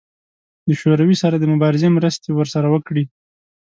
د شوروي سره د مبارزې مرستې ورسره وکړي.